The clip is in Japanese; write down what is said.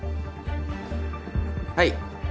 はい。